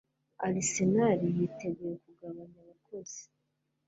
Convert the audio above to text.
Arsenal yiteguye kugabanya abakozi